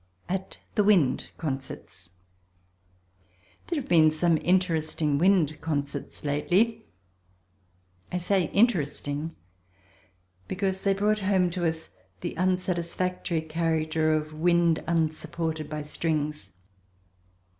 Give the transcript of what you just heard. At the Wind Concerts There have been some interesting wind concerts lately; I say interesting, because they brought home to us the unsatisfactory character of wind unsupported by strings.